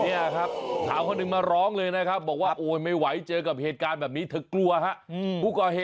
ช่องทางหนึ่งมาร้องเลยนะครับบอกว่าไม่ไหวเจอกับเหตุการณ์แบบนี้แย้งเกาะ